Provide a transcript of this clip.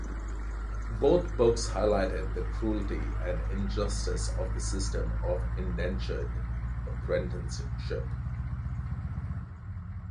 Both books highlighted the cruelty and injustice of the system of indentured apprenticeship.